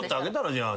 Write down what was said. じゃあ。